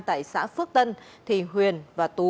tại xã phước tân thì huyền và tú